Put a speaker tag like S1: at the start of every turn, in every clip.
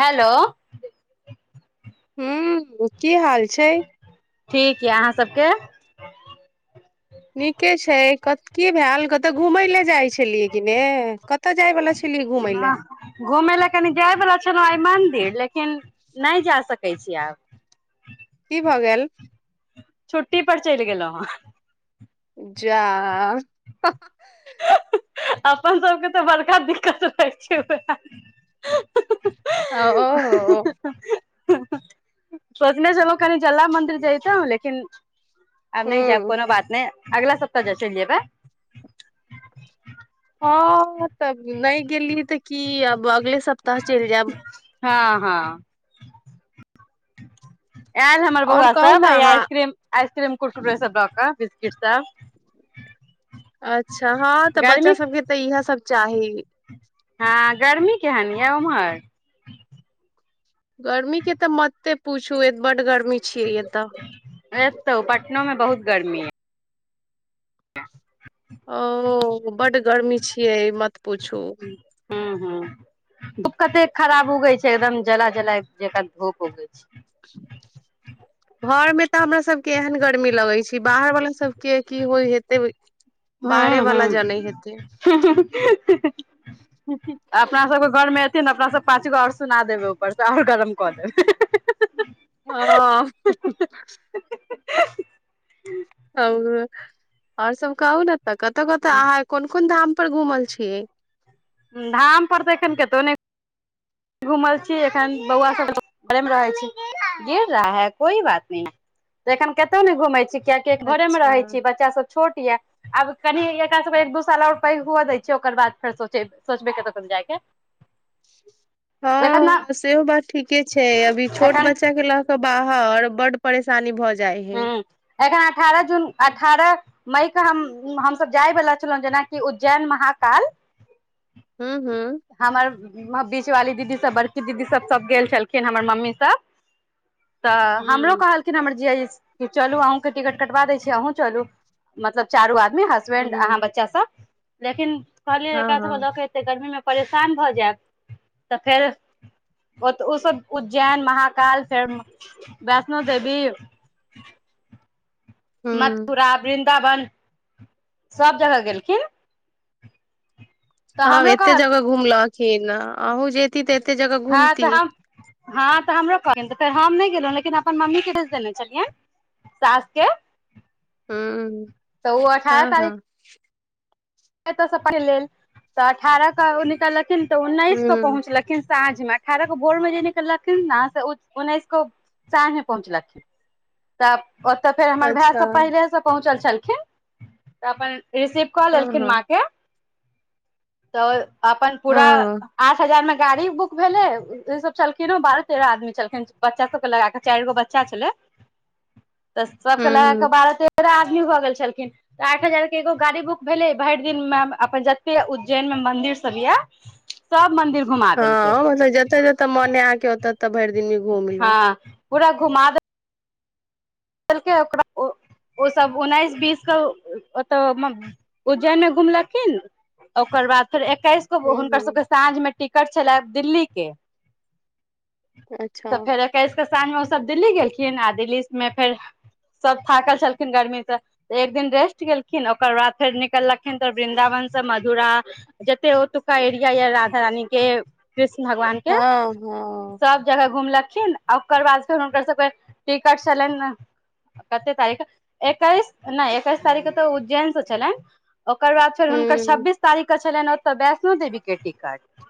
S1: Hello
S2: हू की हाल छै
S1: ठीक यऽ अहाँ सबके
S2: नीके छै क की भेल कतहु घूमय ले जाइ छै छलियै कि नेऽ कतऽ जाय बलाा छलियै घुमै लए
S1: घुम लए कनि जाय प छल मंदिर लेकिन नय जा सकै छी आब
S2: की भऽ गेल
S1: छुट्टी पर चल गेलो हँ
S2: जा
S1: अपन सबके तऽ बड़का दिक्कत रहइ छै
S2: आ ओ हो ओ
S1: सोचने छलहु कनि जला मन्दिर जयतु लेकिन आब नहि जाब
S2: हूँ
S1: कोनो बात नहि अगला सप्ताह जा चलियए बा
S2: हँ तब नहि गेली तऽ कि आब अगले स तह चलि जाब
S1: हँ हँ आयल हमर
S2: आओर
S1: बौआ
S2: कहू
S1: सब
S2: ने
S1: भा
S2: अहाँ
S1: आइसक्रीम-आइसक्रीम कुटकुटेस लऽ क किता
S2: अच्छा हँ तऽ बच्चा सबके तऽ इएह सब चाही
S1: हँ गर्मी केहन यए उम्हर
S2: गर्मी के तऽ मते पूछू ए बड गर्मी छियै एतऽ
S1: एतौ पटनो मे बहुत गर्मी [inaudible]
S2: ओ बड्ड गर्मी छियै मत पूछू
S1: ह घुप कते खराब उगै छै एकदम जला जलाय जका धूप उगै छै
S2: घर मे तऽ हमरा सबके एहन गर्मी लगै छै बाहर वाला सबके की होइ हेतै
S1: ह
S2: बाहरे
S1: ह
S2: वाला जनै हेतै
S1: अपना सबके घरमे तेन अपनासँ पाँच गो आओर सुना देबै ऊपरसँ आओर गरम कऽ देबै
S2: ह
S1: ह
S2: ह आओर सब कहउ ने त तऽ कतऽ कतऽ अहाँ कोन कोन धाम पर घुमल छियै
S1: धाम पर तऽ एखन कतहु नहि घूमल छी एखन बौआ सब रहै छी गिर रहा है कोई बात न त एखन कतौ ने घूमै छी कियाकि एक घरे मे
S2: अच्छा
S1: रहै छी बच्चा सब छोट ये आब कनि एकरा सब एक दू साल आओर पैघ हु दै छै ओकर बाद फेर सो सोचबे केतौ त जायके एखन ने
S2: हँ सेहो बात ठीके छै अभी छोट
S1: एखन
S2: बच्चाके लऽ कऽ बाहर बड्ड परेशानी भऽ जा
S1: ह एखन अठारह जून अठारह मई के हम हमसब जायवला छलहुँ जेनाकि उज्जैन महाकाल
S2: हँ हँ
S1: हमर बीच वाली दीदी सब बड़की दीदी सब सब गेल छलखिन हमर मम्मी सब तऽ हमरो
S2: हँ
S1: कहलखिन हमर जिया कि चलू अहूँके टिकट कटवा दै छी अहूँ चलू मतलब चारू आदमी हसबेंड अहाँ
S2: हूँ
S1: बच्चा सब लेकिन कहलिय
S2: हँ
S1: एकरा सबके
S2: हँ
S1: लके एतै गर्मी में परेशान भऽ जायब तऽ फेर ओ ओसभ उज्जैन महाकाल फेर वैष्णो देवी
S2: हूँ
S1: मथुरा विरन् वृन सब जगह गेलखिन
S2: तऽ आब
S1: हमरो
S2: एतेक
S1: कहल
S2: जगा घुमलखी न अहू जेती तऽ एते जगह
S1: हँ तऽ
S2: घूमती
S1: हम हँ तऽ हमरो कहथि तऽ फेर हम नहि गेलहु लेकिन अपन मम्मी के भेज देने छलियै सास के
S2: ह
S1: तऽ ओ
S2: हँ
S1: अठारह
S2: हँ
S1: तारीख एतयसँ पहिल लेल तऽ अठारह के ओ निकललक लिन तऽ उन्नैस केऽ
S2: हूँ
S1: पहुँचलखिन साँझ मे अठारह को भोर में जे निकललखिन उन्नैस को साँझ मे पहुँचलखिन तब ओतऽ फेर हमर भैऽ
S2: अच्छा
S1: सब पहिले से पहुँचल छल तऽ अपन रिसिप कॉलर
S2: हँ हँ
S1: म के तब अपन पूरा आठ हजार मे गाड़ी बुक भेले ई सब छलखिन बारह तेरह आदमी छलखिन बच्चा सबके लगााक चारि गो बच्चा छले तऽ सब क लगा क
S2: हूँ
S1: बारह ते आदमी भऽ गेल छलखिन तऽ आठ हजार के एगो गाड़ी बुक भेले भरि दिन मे अपन जते उज्जैन में मंदिर सब य सब मंदिर घुमा देलकै
S2: हँ मतलब जतऽ जतऽ मने आके ओत तऽ भरि दिनमे
S1: हँ
S2: घूमिलू
S1: पूरा घुमा द ेल ओक ओ सब उन्नैस बीस के ओतऽ उज्जैन मे घुमलखिन ओकर बाद फेर एकैस गो
S2: हूँ
S1: हुनकर
S2: हूँ
S1: सबके साँझ मे टिकट छला दिल्ली के
S2: अच्छा
S1: तऽ फेर ऐकस क साँझ मे ओ सब दिल्ली गेलखिन आ दिल्ली मे फेर सब थाकल छलखिन गर्मीसँऽ एक दिन रेस्ट गेलखिन ओकर बाद फेर निकललखिन तऽ वृन्दावन से मधुरा जते ओतुका एरिया यऽ राधा रानी के कृष्ण भगवान के
S2: हँ हँ
S1: सब जगह घुमलक िन आ ओकर बाद फेर हुनकर सबके टिकट छलनि कते तारीख एकैस नहि एकैस तारीख तऽ उज्जैनसँ छलै ओकर बाद फेर हुनकर
S2: हूँ
S1: छब्बीस तारीख के छल ओतऽ बैष्णो देवी के टिकट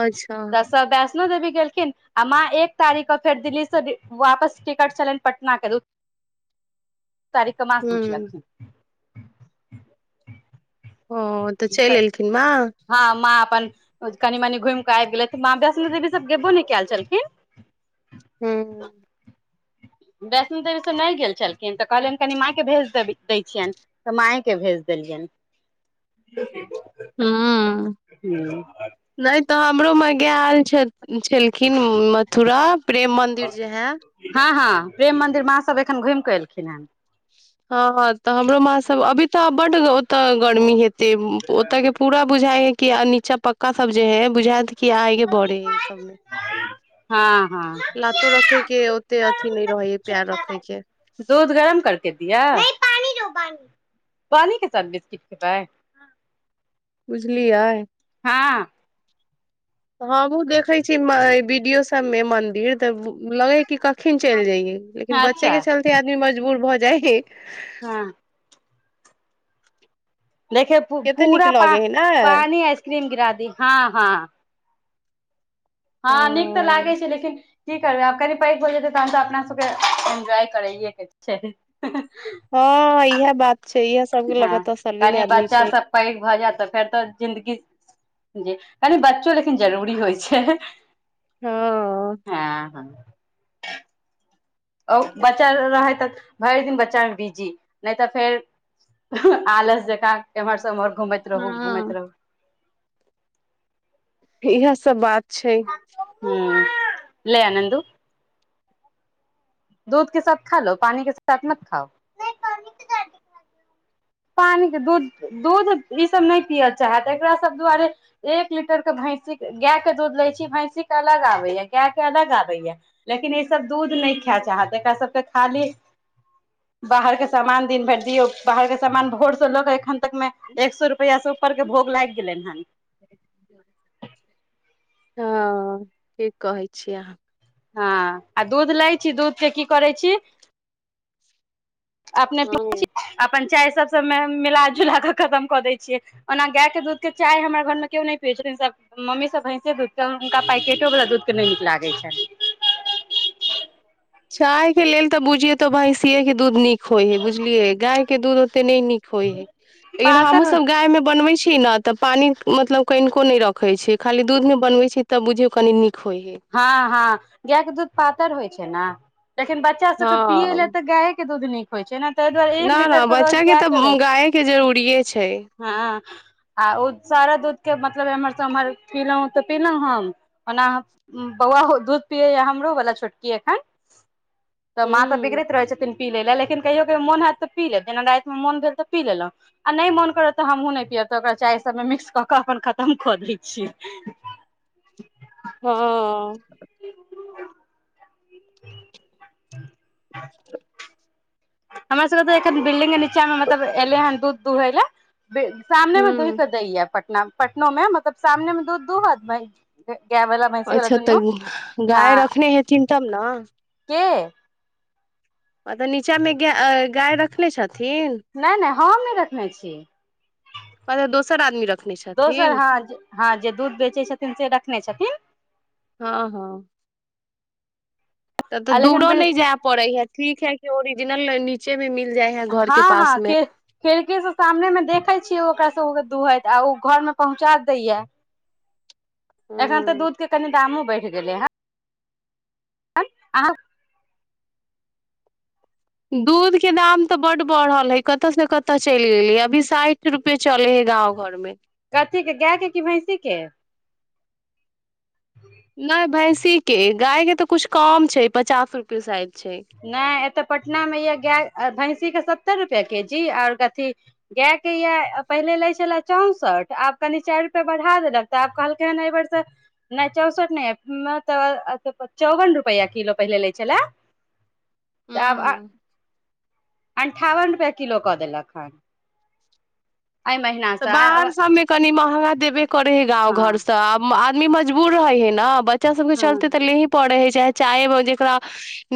S2: अच्छा
S1: तऽ सब वैष्णो देवी गेलखिन आ माँ एक तारीख के फेर दिल्ली से वापस टिकट छलनि पटना क दू तारी कमास पूच ल
S2: हूँ
S1: छै
S2: ओ तऽ चलि एलखिन मां
S1: हँ माँ अपन कनि मनी घुमि कऽ आबि गेलै तऽ माँ वैष्णो देवी सब गेबो ने कयल छलखिन
S2: हू
S1: वैष्णो देवी से नहि गेल छलखिन तऽ कहलियनि कनि मायके भेज दे दै छियनि तऽ मायके भेज देलियनि
S2: हू
S1: ह
S2: नहि तऽ हमरो मे गाय आयल छै छलखिन मथुरा प्रेम मन्दिर जे है
S1: हँ हँ प्रेम मंदिर माँ सब एखन घुमिकऽ एलखिन ह
S2: हँ तऽ हमरो माँ सब अभी तऽ बड ओ तऽ गर्मी हेते ओतय के पूरा बुझाइ हे कि चपक का सब जे है बुझायत कि आगे बड़े है ई सब मे
S1: हँ हँ
S2: लातो रखे के ओते अथी नहि रहे है पैर रखे के
S1: देदियऽ पानी दो पानी, पानी के साथ बिस्किट खेबय।
S2: बुझलियै
S1: हँ
S2: हँ हम देखै छी वीडियो तमे मन्दिर त लगे की कखिनन चलि जये, लेकिन बच्चे
S1: अच्छा
S2: के चलते आदमी मजबूर भए ज जाइी
S1: हँ देखे
S2: कते नीक
S1: पूरा प
S2: लगे है ने
S1: पानी आइसक्रीम गिरा दी हँ हँ हँ नीक तऽ लागै छै लेकिन की करबै आब कनि पैघ भऽ जेतै तऽ हम त अपना सबके एन्जॉय करैएके छै
S2: हँ इहा बात छै इएह सबके लग
S1: हँ
S2: तसल्ली मे
S1: कनि
S2: आदमी
S1: बच्चा
S2: छै
S1: सब पैघ भऽ जायत तऽ फेर तऽ जिन्दगी जी कनी बच्चो लेकिन जरूरी होइ छै
S2: हँ
S1: हँ हँ ओ बच्चा रहै तऽ भरि दिन बच्चामे बिजी नहि तऽ फेर आलस जकाँ एम्हर सब उम्हर घुमैत रहू
S2: हँ
S1: घुमैत रहू
S2: इहा सब बात छै
S1: ह ललै आ नन्दु [inaudible] पान दूध-दूध ईसभ नहि पियल चाहत एकरा सब दुआरे एक लीटर के भैंसीक गायके दूध लै छी भैंसीके अलग आबैया गायके अलग आबैया लेकिन ईसभ दूध नहि खाय चाहत एकरा सबके खाली बाहरके सामान दिन भरि दियौ बाहरके सान भोरसँ लोकऽ एखन मे एक सए रुपआ से ऊपर के भोग लागि गेलै हन
S2: हँ ठिक कहै छीएय अहाँ
S1: हँ आ दूध लै छी दूधके की करै छी अपने प
S2: हँ
S1: प्चायत मिलला कऽ खतम कऽ दै छियै ओना गाय दध चाय हमर घरमे केओ नहि पियै छथिन म्मी भैंसे हुनका पैो द नहि नीक लागै छनि
S2: चाय के लेल तऽ बुझिये तो भइ सियए के दूध नीक होइ है बुझलियै गाय के दूध ओते नहि नीक होय हय लेकिन हमूँ
S1: पातर
S2: सब गाय में बनबै छी ने तऽ पानि मतलब कनिको नहि रखै छी खाली दूधमे बनबै छी तऽ बुझियौ कनी नीक होइ हइ
S1: हँ हँ गाय के दूध पातर होइ छै एना लेकिन बच्चा सब के पिय ले
S2: हँ
S1: तऽ गाय दूध नीक होइ छै ताहि दुआरे एक
S2: न
S1: लीटर
S2: न
S1: के रोज
S2: बच्चा
S1: गाय के
S2: तऽ
S1: ले छै
S2: गाय के जरूरिये छै
S1: ह आ ओ सारा दूध के म एम्हर सभ एम्हर पीलहुँ तऽ पीलहुँ हम ओना बौआ दूध पियै या हमरो वला छोटकी एखन तऽ माँ तऽ
S2: हूँ
S1: बिगड़ैत रहै छैथिन पी लै लए लेकिन कहियो कहियो मोन होयैत तऽ पी लेत जेना रातिमे मोन भेल तऽ पी लेलहुँ आ नहि मोन करत तऽ हमहूँ नहि पियअब तऽ ओकरा चाय सभमे मिक्स कऽ कऽ अपन खतम कऽ दै छियै
S2: हँ
S1: क हमर सबके तऽ एखन बिल्डिंगग के नीचा में मतलब एलै हन दूध दुहै लए सामने में दुही
S2: हूँ
S1: के दैय पटना पटना में मतलब सामने में दूध दूहत बा
S2: अच्छा तऽ गाय
S1: हँ
S2: रखने हेथिन तब ने
S1: के
S2: म तब नीचाँ में गाय गाय रखने छथिन
S1: हममे रखने छी
S2: मतलब दोसर आदमी रखने
S1: दोसर
S2: छथिन
S1: हँ हँ जे दूध बेचै छथिन से रखने छथिन
S2: हँ हँ तब तऽ
S1: आ लेकिन
S2: दूरो
S1: बिल्डिंग
S2: न जाय पड़े है ठीक है कि जना नीचे में मि
S1: हँ हँ खिड़के से सामने मे देखै ओकरा सब के दुूहैत आ ओ घर मे पहुँचा दैयै एखन तऽ
S2: हूँ।
S1: दूध के कनि दामो बैढ़ बढ़ि गेले हे
S2: दूधके दाम तऽ बड्ड बढ़ल हइ कतयसँ कतय चलि गेलै अभी साठि रुपए चलै हइ गाँव घर में
S1: कथी के गाय के क भैंसी के
S2: नहि भैंसी के गाय के तऽ कछु कम छै पचास रुपे साइद
S1: नहि एत पटना में यए गाए भैँसीके सत्तरि रुपैआ के जी आओर कथी गाएके यए पहिले लैत छलए चौंसठि आब कनि चारि रुपैआ बढ़ा देलक तऽ आब कहलकै हन एहिबेरसँ नहि चौंसठि नहि तऽ चौवन रुपैआ किलो पहिले लै छलय तब आ
S2: हँ
S1: अन्ठावन रुपैआ किलो कऽ देलक हन एहि महिना
S2: तऽ
S1: से
S2: बाहर सभमे कनि महग देब करे हइ गाँव घर
S1: हँ
S2: सँ आ आदमी मजबूर रहै हे। न बच्चा सब के
S1: हँ
S2: चलते तऽ ले ही पढ़े हय। चाहे चाय में जेकरा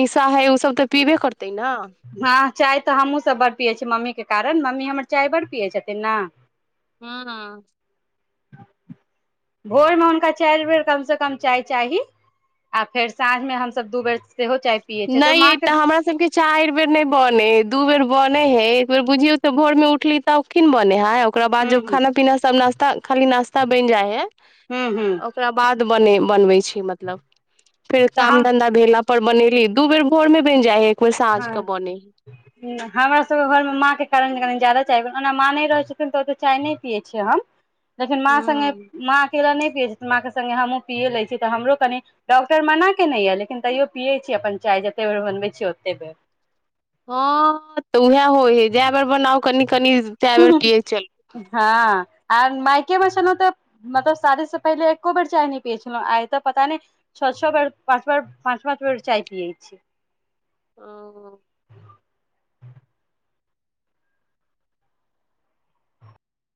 S2: निशा है, उ सब तऽ पीबे करते। न
S1: हँ चाय तऽ हमहुँ सब ब पियै मम्मीके कारण मम्मी हमर चाय बड्ड पियै छथिन ने
S2: हुँ- हुँ।
S1: भोर में हुनका चारि बेर कमसँ कम चाय चाही आ फेर साँझमे हमस दू बेर। सेहो चाय पियै छियै
S2: नहि
S1: माँ
S2: य
S1: के
S2: तऽ हमरा सबके चारि बेर नहि बने हे, दू बेर बने हे, एक बेर बुझियौ। भोर में उठली तऽ ओ खीन बने है। ओकरा बाद
S1: हूं
S2: जब खाना पीना सब नास्ता खाली नास्ता बन जाय है,
S1: हूं हूं
S2: ओकरा बाद। बने बनबै छै। मतलब फेर
S1: तऽ
S2: काम
S1: हम
S2: धन्धा भेल अऽ। पर बनेरी। दू बेर भोर में बनि जाइ है।
S1: ह हमरा सब घर में माँ के कारण। ज्यादा चाय, ओना माँ नहि रहै छथिन तऽ ओ तऽ चाय नहि पियए छिय हम। लेकिन, माँ संगे
S2: हूँ
S1: माँ अकेला नै। पिय माँ के संगे हमहु, पिय ले छी तऽ हमरो कनी डॉक्टर मना केने य, लेकिन तयोऽ पीयै छी अपन चाय जते बेर बनबै छी ओते। देेब।
S2: हँ तऽ उहै। हो हे, जाय बेर बनाऊ कनी-कनी तय बेर पिय छी।
S1: हँ आर मायके मे छलहुँ तऽ मतलब शादीसँ पहिले एको बेर चाय नहि पियै छलहुँ, आइ तऽ पता नहि छह- छह बेर पाँच बेर पाँच- पाँच बेर चाय पियै छी।
S2: ओ।